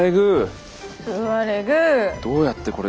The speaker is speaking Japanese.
どうやってこれ。